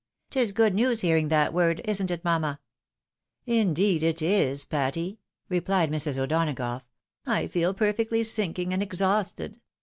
'Tis good news hearing that word, isn't it, mamma ?"" Indeed it is, Patty," rephed Mrs. O'Donagough ;" I feel perfectly sinking and exhausted.